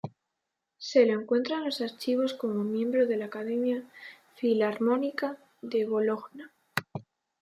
Se lo encuentra en los archivos como miembro de la Academia Filarmónica de Bologna.